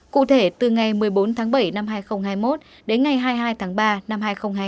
cụ thể từ ngày một mươi bốn tháng bảy năm hai nghìn hai mươi một đến ngày hai mươi hai tháng ba năm hai nghìn hai mươi hai